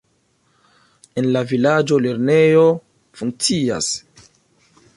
En la vilaĝo lernejo funkcias.